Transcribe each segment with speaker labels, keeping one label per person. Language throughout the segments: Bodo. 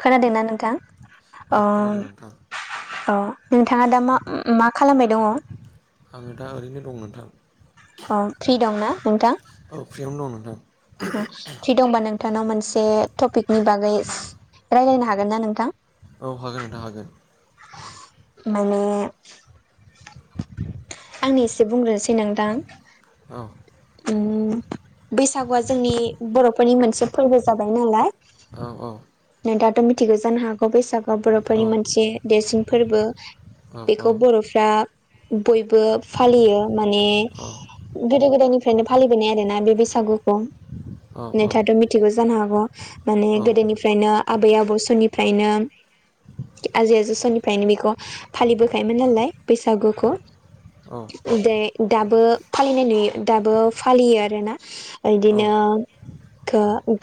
Speaker 1: खोनादोंना नोंथां
Speaker 2: औ
Speaker 1: अ
Speaker 2: खोनादों नोंथां
Speaker 1: अ नोंथाङा दा मा मा खालामबाय दङ
Speaker 2: आङो दा ओरैनो दं नोंथां
Speaker 1: अ फ्रि दंना नोंथां
Speaker 2: औ फ्रियावनो दं नोंथां
Speaker 1: फ्रि दंबा नोंथांनाव मोनसे टपिकनि बागै रायज्लायनो हागोन ना नोंथां
Speaker 2: औ हागोन नोंथां हागोन
Speaker 1: माने आंनो एसे बुंग्रोनोसै नोंथां
Speaker 2: अ
Speaker 1: बैसागुआ जोंनि बर'फोरनि मोनसे फोरबो जाबाय नालाय
Speaker 2: औ औ
Speaker 1: नोंथाङाथ' मिथिगौ जानो हागौ बैसागुआव
Speaker 2: औ
Speaker 1: बर'फोरनि मोनसे देरसिन फोरबो
Speaker 2: औ
Speaker 1: बेखौ बर'फ्रा बयबो फालियो माने
Speaker 2: औ
Speaker 1: गोदो गोदायनिफ्रायनो फालिबोनाय आरो ना बे बैसागुखौ नोंथाङाथ
Speaker 2: औ
Speaker 1: मिथिगौ जानो हागौ माने गोदोनि फ्रायनो आबै आबौ समनिफ्रायनो आजै आजौ समनिफ्रायनो बेखौ फालिबोखायोमोन नालाय बैसागुखौ दाबो फालिनाय नुयो दाबो फालियो आरोना बिदिनो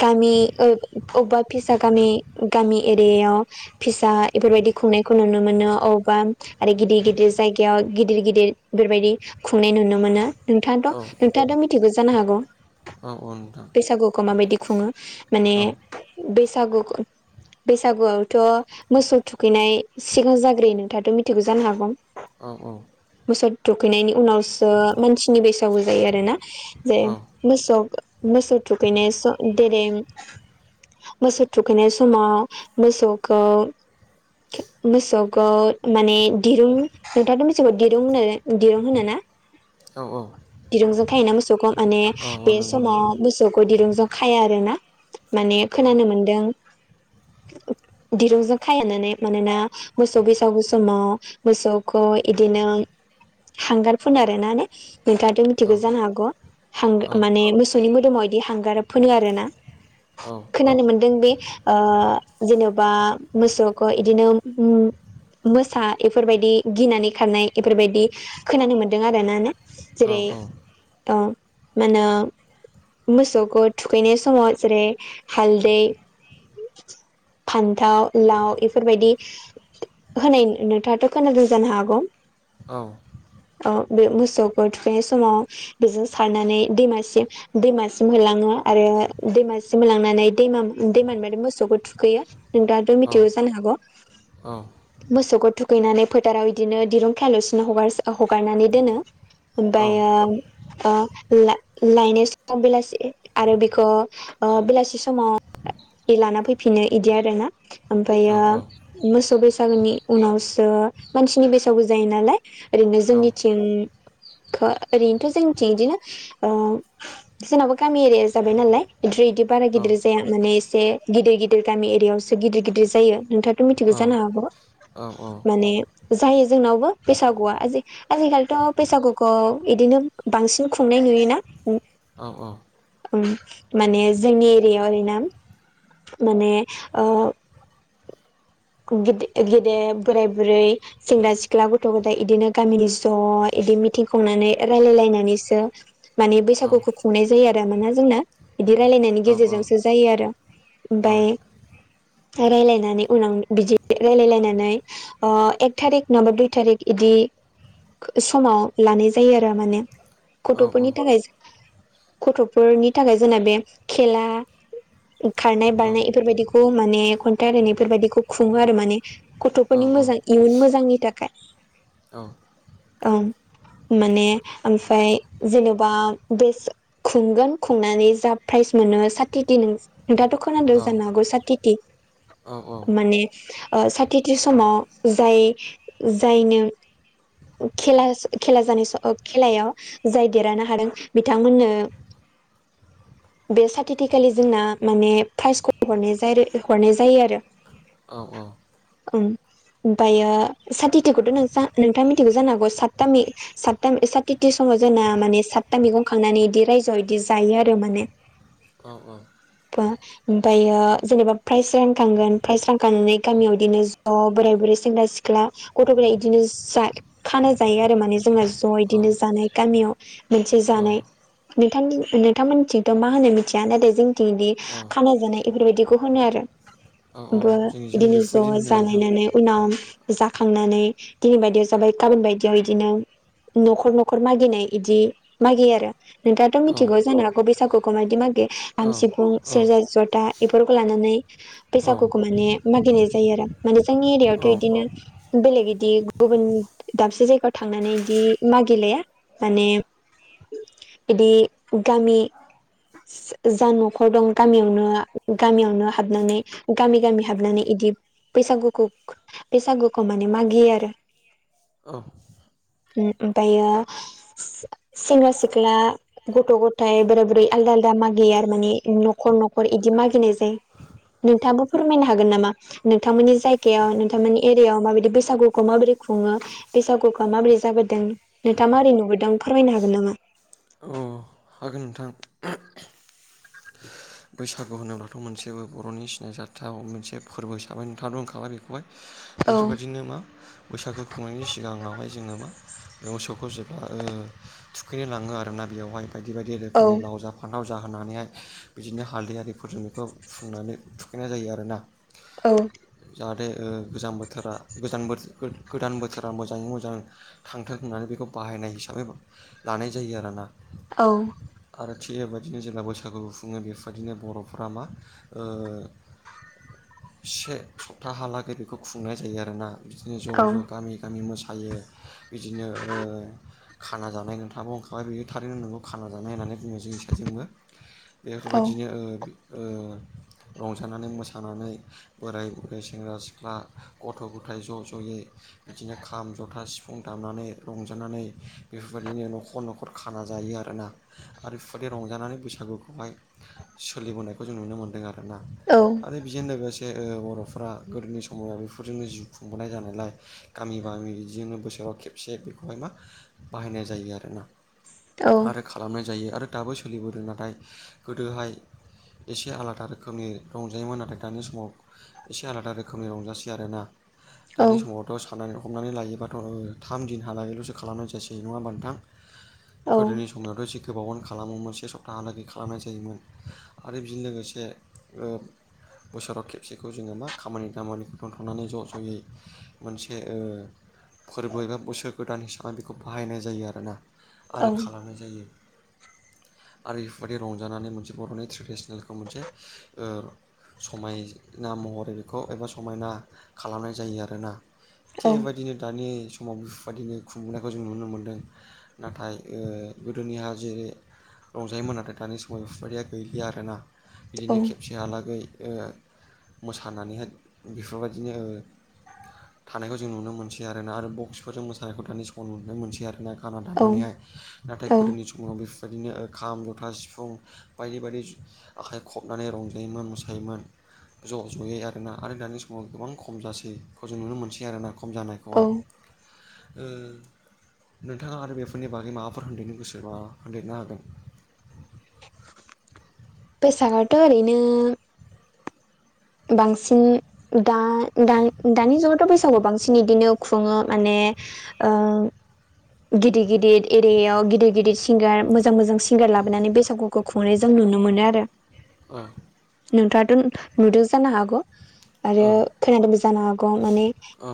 Speaker 1: गामि अबेबा फिसा गामि गामि एरियायाव फिसा बेफोरबायदि खुंनायखौ नुनो मोनो अबेबा आरो गिदिर गिदिर जायगायाव गिदिर गिदिर बेफोरबायदि खुंनाय नुनो मोनो नोंथां
Speaker 2: औ
Speaker 1: नोंथाङाथ' मिथिगौ जानो हागौ
Speaker 2: औ औ नोंथां
Speaker 1: बैसागुखौ माबायदि खुङो माने
Speaker 2: औ
Speaker 1: बैसागु बैसागुआवथ' मोसौ थुखैनाय सिगा जाग्रोयो नोंथाङाथ' मिथिगौ जानो हागौ
Speaker 2: औ औ
Speaker 1: मोसोर थुखैनायनि उनावसो मानसिनि बैसागुबो जायो आरो ना जे मोसौ मोसौ थुखैनाय जेरै मोसौ थुखैनाय समाव मोसौखौ मोसौखौ माने दिरुं नोंथांङाथ' बेसेबाव दिरुं होन दिरुं होनो ना
Speaker 2: औ औ
Speaker 1: दिरुंजों खायोना मोसौखौ माने बे
Speaker 2: नंगौ नंगौ
Speaker 1: समाव मोसौखौ दिरुंजों खाया आरो ना माने
Speaker 2: औ
Speaker 1: खोनानो मोनदों दिरुंजों खाया होननानै मानोना मोसौ बैसागु समाव मोसौखौ इदिनो हांगारफुनो आरोनाे नोंथाङाथ'
Speaker 2: औ
Speaker 1: मिथिगौ जानो हागौ हां
Speaker 2: औ
Speaker 1: माने मोसौनि मोदोमाव बिदि हांगार फोनो आरो ना
Speaker 2: औ
Speaker 1: खोनानो मोनदों बे जेनेबा मोसौखौ इदिनो मोसा बेफोरबायदि गिनानै खारनाय बेफोरबायदि खोनानो मोन्दों आरो ना ने
Speaker 2: औ औ
Speaker 1: औ मा होनो मोसौखौ थुखैनाय समाव जेरै हालदै फान्थाव लाव इफोरबायदि होनाय नोंथांङाथ' खोनादोंं जानो हागौ
Speaker 2: औ
Speaker 1: बे मोसौखौ थुखैनाय समाव बेजों सारनानै दैमासिम दैमासिम होलाङो आरो दैमासिम होलांनानै दैमा दैमानिफ्राय मोसौखौ थुखैयो नोंथाङाथ' मिथिगौ जानो हागौ मोसौखौ थुखैनानै फोथाराव बिदिनो दिरुं खल'सिनोगार हगारनानै दोनो ओमफ्रायो लायनाय सम बेलासि आरो बेखौ बेलासि समाव लाना फैफिनो बिदि आरोना ओमफ्रायो मोसौ बैसागोनि उनावसो मानसिनि बैसागबो जायो नालाय ओरैनो जोंनिथिं ओरैनोथ' जोंनिथिं बिदिनो जोंनायाबो गामिरिया जाबाय नालाय बि बिदि बारा गिदिर माने एसे गिदिर गिदिर गामि एरियाायावसो गिदिर गिदिर जायो नोंथांङाथ' मिथिगौ जानो हागौ माने जायो जोंनावबो बैसागुवआजि आजिखालिथ' बैसागुखौ बिदिनो बांसिन खुंनाय नुयोना माने जोंनि एरियावा ओरै ना माने ओ गिद गेदेर बोराय बुरै सेंग्रा सिख्ला गथ' गथाय इदिनो गामिनि ज' बिदि मिथिं खंनानै रायलायलायनानैसो मानिे बैसागुखौ खुंनाय जायो आरो मानोना जोंना बिदि रायलायनायनि गेजेरजोंसो जायो आरो ओमफाय रायलायनानै उनाव बिदि रायलायलायनानै एक थारिक नङाबा दुइ थारिक बिदि समाव लानाय जायो आरो माने
Speaker 2: औ
Speaker 1: गथ'फोरनि थाखाय गथ'फोरनि थाखाय जोंना बे खेला खारनाय
Speaker 2: औ
Speaker 1: बारनाय बेफोरबायदिखौ माने खन्थाइ रायनाय बेफोरबायदिखौ खुङो आरो माने
Speaker 2: औ
Speaker 1: गथ'फोरनि मोजां इयुन मोजांनि थाखाय
Speaker 2: औ
Speaker 1: ओं माने ओमफ्राय जेनेबा बेस खुंगोन खुंनानै जा प्राइज मोनो साथिथि नों दाथ' खोनादों जानो हागौ साथिथि
Speaker 2: औ
Speaker 1: माने साथिथि समाव जाय जायनो खेला खेला जानाय स खेलायाव जाय देरहानो हादों बिथांमोननो बे साटिटिकेलि जोंना माने प्राइजखौ हर हरनाय जायो आरो
Speaker 2: औ औ
Speaker 1: ओमफ्रायो साथिथिखौथ' नों नोंथाङा मिथिखौ जानो हागौ सातताम सातथाम साथिथि समाव जोंना माने सातथा मैगं खांनानै बिदि रायजोआव इदि जायो आरो माने ओमफ्रायो जेनेबा प्राइज रानखांगोन प्राइस रानखांनानै गामियाव इदिनो ज' बोराइ बुरै सेंग्रा सिख्ला गथ'फोरा इदिनो जा खाना जायो आरो माने जोङो ज'
Speaker 2: औ
Speaker 1: बिदिनो जानाय गामियाव मोनसे
Speaker 2: औ
Speaker 1: जानाय नोंथां नोंथांमोनथिंथ' मा होनो मिथिया नाथाय जोंथिं दि खाना जानाय बेफोरबायदिखौ होनो आरो
Speaker 2: औ औ
Speaker 1: ओम
Speaker 2: जोंनिजोंबो
Speaker 1: बिदिनो
Speaker 2: बेफोरबायदिनो
Speaker 1: ज'
Speaker 2: होनो नोंथां
Speaker 1: जालायनानै उनाव जाखांनानै दिनै बायदियाव जाबाय गाबोन बायदियाव बिदिनो न'खर न'खर मागिनाय बिदि मागियो आरो नोंथाङाथ'
Speaker 2: औ
Speaker 1: मिथिगौ जानो हागौ बैसागुखौ मायदि मागे आाम
Speaker 2: औ
Speaker 1: सिफुं
Speaker 2: औ
Speaker 1: सेरजा जथा बेफोरखौ लानानै
Speaker 2: औ
Speaker 1: बैसागुखौ माने मागिनाय जायो आरो माने जोंनि
Speaker 2: औ
Speaker 1: एरिायावथ' बिदिनो बेलेग बिदि गुबुन दाबसे जायगायाव थांनानै इदि मागिलाया माने बिदि गामि जा न'खर दं गामियावनो गामियावनो हाबनानै गामि गामि हाबनानै इदि बैसागुखौ बैसागुखौ माने मागियो आरो
Speaker 2: औ
Speaker 1: ओमफ्रायो सेंग्रा सिख्ला गथ' गथाय बोरै बोरै आलदा आलदा मागियो आरो माने न'खर न'खर इदि मागिनाय जायो नोंथाबो फोरमायनो हागोन नामा नोंथांमोननि जायगायाव नोंथांमोननि एरियाायाव माबायदि बैसागुखौ माबोरै खुङो बैसागुखौ माबोरै जाबोदों नोंथांङा माबोरै नुबोदों फोरमायनो हागोन नामा
Speaker 2: अ हागोन नोंथां बैसागु होनोब्लाथ' मोनसेबो बर'नि सिनायजाथाव मोनसे फोरबो हिसाबै नोंथाङाथ' होनखाबाय बेखौहाय
Speaker 1: औ
Speaker 2: बेफोरबायदिनो मा बैसागो खुंनायनि सिगाङावहाय जोङो मा मोसौखौ जेब्ला थुखैनो लाङो आरोना बेवहाय बायदि बायदि
Speaker 1: औ
Speaker 2: रोखोमनि लाव जा फानथाव जा होनानैहाय बिदिनो हालदै आरिफोरजों बेखौ फुननानै थुखैनाय जायो आरोना
Speaker 1: औ
Speaker 2: जाहाथे गोजां बोथोरा गोदान बोथोरा मोजाङै मोजां थांथों होननानै बेखौ बाहायनाय हिसाबै लानाय जायो आरोना
Speaker 1: औ
Speaker 2: आरो थिग बेबायदिनो जोंना बैसागु बुङो बेबायदिनो बर'फोरा मा से सप्ताहालागै बेखौ खुंनाय जायो आरोना बिदिनो ज' ज'
Speaker 1: औ
Speaker 2: गामि गामि मोसायो बिदिनो खाना जानाय नोंथाङाबो बुंखाबाय बेयो थारैनो नंगौ खाना जानाय होननानै बुङो जोंनि साइतजोंबो बेफोरबायदिनो रंजानानै मोसानानै बोराय बुरै सेंग्रा सिख्ला गथ' गथाय ज' ज'यै बिदिनो खाम जथा सिफुं दामनानै रंजानानै बेफोरबायदिनो न'खर न'खर खाना जायो आरोना आरो बेफोरबायदि रंजानानै बैसागुखौहाय सोलिबोनायखौ जों नुनो मोन्दों आरोना
Speaker 1: औ
Speaker 2: आरो बेजों लोगोसे जे बर'फोरा गोदोनि समाव बेफोरजोंनो जिउ खुंबोनाय जानायलाय गामि बामि बिदिजोंनो बोसोराव खेब एसे बेखौहाय मा बाहायनाय जायो आरोना
Speaker 1: औ
Speaker 2: आरो खालामनाय जायो आरो दाबो सोलिबोदों नाथाय गोदोहाय एसे आलादा रोखोमनि रंजायोमोन नाथाय दानि समाव एसे आलादा रोखोमनि रंजासै आरोना
Speaker 1: औ
Speaker 2: दानि समाव दस सानानै हमनानै लायोबाथ' थाम दिनहालागैल'सो खालामनाय जायासै नङा होमाबा नोथां गोदोनि समावथ' जि गोबावानो खालामोमोन से सप्ताहलागै खालामनाय जायो जायोमोन आरो बेजों लोगोसे बोसोराव खेबसेखौ जोङो मा खामानि दामानि दोनथ'नानै ज' ज'यै मोनसे फोरबो एबा बोसोर गोदान हिसेबै बेखौ बाहायनाय जायो आरोना आरो खालामनाय जायो आरो बेफोरबायदि रंजायो लानानै मोनसे बर'नि ट्रेडिसनेलखौ मोनसे समायना महरै बेखौ एबा समायना खालामनाय जायो आरोना थिग
Speaker 1: औ
Speaker 2: बेबायदिनो दानि समाव बेफोरबायदिनो खुंबोनायखौ जों नुनो मोनदों नाथाय गोदोनिहा जेरै रंजायोमोन नाथाय दानि समाव बेफोरबायदिया गैलिया आरोना बिदिनो खेबसेहालागै मोसानानैहाय बेफोरबायदिनो थानायखौ जों नुनो मोनसै आरोना आरो बक्सफोरजों मोसानायखौ दानि समाव नुनो मोनसै आरोना लाना
Speaker 1: औ
Speaker 2: थांनानैहाय नाथाय
Speaker 1: औ
Speaker 2: गोदोनि समाव बेफोरबायदिनो खाम जथा सिफुं बायदि बायदि आखाइ खबनानै रंजायोमोन मोसायोमोन ज' ज'यै आरोना आरो दानि समाव गोबां खम जासै बेखौ जों नुनो मोनसै आरोना खम जानाय
Speaker 1: औ
Speaker 2: खौहाय नोंथाङा आरो बेफोरनि बागै माबाफोर होनदेरनो गोसोबा होनदेरनो हागोन
Speaker 1: बैसागआथ' ओरैनो बांसिन दा दानि जुगावथ' बैसागु बांसिन बिदिनो खुङो माने ओ गिदिर गिदिर एरियायाव गिदिर गिदिर सिंगार मोजां मोजां सिंगार लाबोनानै बैसागु खुंनाय जों नुनो मोनो आरो
Speaker 2: ओ
Speaker 1: नोंथाङाथ' नुदों जानो हागौ आरो
Speaker 2: औ
Speaker 1: खोनादोंबो जानो हागौ माने
Speaker 2: औ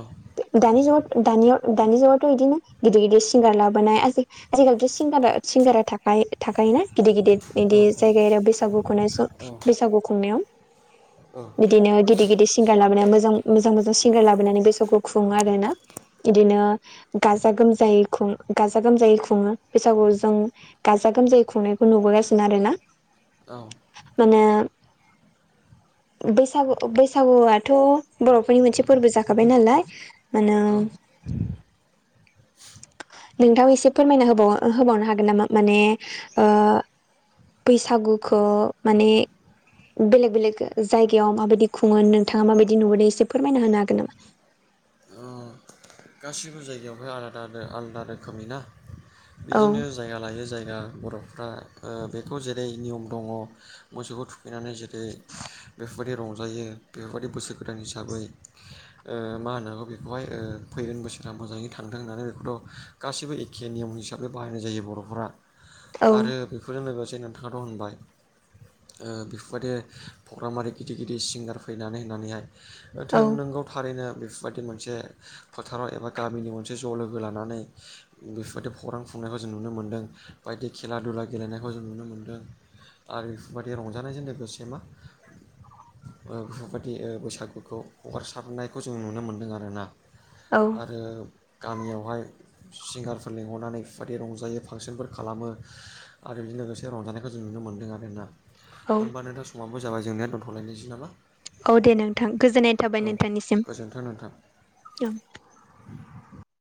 Speaker 1: दानि जुग दानि दानि जुगावथ बिदिनो गिदिर गिदिर सिंगार लाबोनाय आरो आजिखालिथ' सिंगारा सिंगारा थाख थाखोना गिदिर गिदिर
Speaker 2: औ
Speaker 1: बिदि जायगाय आरो बैसागु खुनाय सम बैसागु खुंनायाव बिदिनो गिदिर गिदिर सिंगार लाबोना मोजां मोजां मोजां सिंगार लाबोनानै बैसोरखौ खुङो आरो ना बिदिनो गाजा गोमजायै गाजा गोमजायै खुङो बैसागुआव जों गाजा गोमजायै खुंनायखौ नुबोगासिनो आरोना
Speaker 2: औ
Speaker 1: माने बैसागु बैसागुआथ' बर'फोरनि मोनसे फोरबो जाखाबाय नालाय
Speaker 2: औ
Speaker 1: माने नोंथां एसे फोरमायना होबाव होबावनो हागोन नामा माने ओ बैसागुखौ माने बेलेग बेलेग जायगायाव माबायदि खुङो नोंथाङा माबायदि नुबोदों एसे फोरमायना होनो हागोन नामा
Speaker 2: गासिबो जायगायावहाय आलादा आदा आलादा रोखोमै ना
Speaker 1: औ
Speaker 2: बिदिनो जायगा लायै जायगा बर'फ्रा बेखौ जेरै नियम दङ मोसौखौ थुखैनानै जेरै बेफोरबायदि रंजायो बेफोरबायदि बोसोर गोदान हिसाबै ओ मा होननांगौ बेखौहाय ओ फैगोन बोसोरा मोजाङै थांदों होननानै बेखौथ' गाैबो एखे नियम हिसाबै बाहायनाय जायो बर'फोरा आरो
Speaker 1: औ
Speaker 2: बेफोरजों लोगोसे नोंथाङाथ होनबाय बेफोरबायदि प्रग्रामारि गिदिर गिदिर सिंगार फैनानै होननानैहाय थों नंगौ थारैनो बेफोरबायदि मोनसे फोथाराव एबा गामिनि मोनसे ज' लोगो लानानै बेफोरबायदि खौरां फुंनायखौ जों नुनो मोनदों बायदि खेला दुला गेलेनायखौ जों नुनो मोन्दों आरो बेफोरबायाददि रंजानायजों लोगोसे मा बेफोरबायदि बैसागुखौ हगारसारनायखौ जों नुनो मोन्दों आरो ना
Speaker 1: औ
Speaker 2: गामियावहाय सिंगारफोर लिंहरनानै बेफोरबायदि रंजायो फांसनफोर खालामो आरो बिदिजों लोगोसे रंजानायखौ जों नुनो मोनदों आरोना
Speaker 1: औ
Speaker 2: होनबा नोंथां समाबबो जाबाय जोंनिया दोनथ'लायनोसै नामा
Speaker 1: औ दे नोंथां गोजोननाय थाबाय
Speaker 2: औ
Speaker 1: नोंथांनिसिम
Speaker 2: गोजोन्थों नोंथां
Speaker 1: औ
Speaker 2: [inaudible]